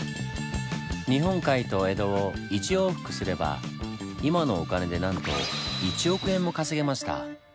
日本海と江戸を一往復すれば今のお金でなんと１億円も稼げました。